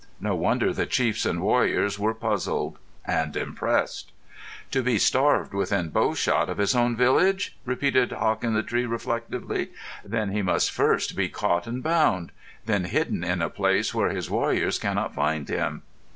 No wonder the chiefs and warriors were puzzled and impressed. "To be starved within bowshot of his own village?" repeated Hawk in the Tree, reflectively. "Then he must first be caught and bound—then hidden in a place where his warriors cannot find him."